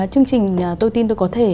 chương trình tôi tin tôi có thể